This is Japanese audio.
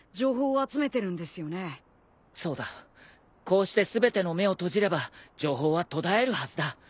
こうして全ての目を閉じれば情報は途絶えるはずだ。